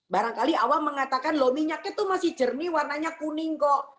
barangkali awam mengatakan loh minyaknya itu masih jernih warnanya kuning kok